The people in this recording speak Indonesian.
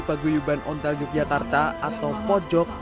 paguyuban ontal yogyakarta atau pojok